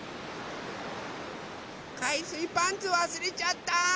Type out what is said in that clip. かいすいパンツわすれちゃった。